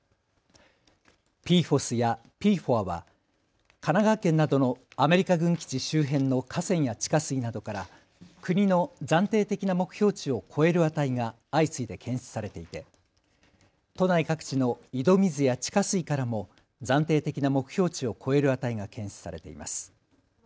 ＰＦＯＳやＰＦＯＡは神奈川県などのアメリカ軍基地周辺の河川や地下水などから国の暫定的な目標値を超える値が相次いで検出されていて都内各地の井戸水や地下水からも暫定的な目標値を超える値が検出されています。